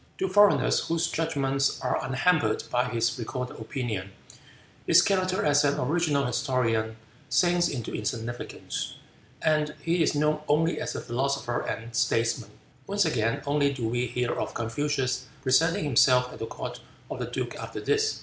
To foreigners, whose judgments are unhampered by his recorded opinion, his character as an original historian sinks into insignificance, and he is known only as a philosopher and statesman. Once again only do we hear of Confucius presenting himself at the court of the duke after this.